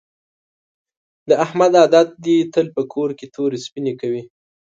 د احمد عادت دې تل په کور کې تورې سپینې کوي.